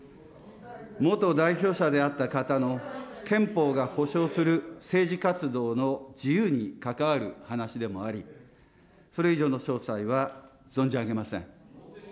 元代表者であった方の憲法が保障する政治活動の自由に関わる話でもあり、それ以上の詳細は存じ上げません。